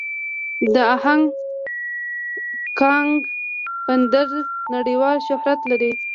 د هانګ کانګ بندر نړیوال شهرت لري.